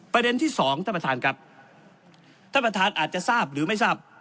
ประเด็นที่สองท่านประธานครับท่านประธานอาจจะทราบหรือไม่ทราบ